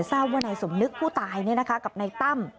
เศร้าวนายสมนึกผู้ตายนี่นะคะกับนายตั้ม